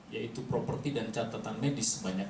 yaitu properti dan catatan medis sebanyak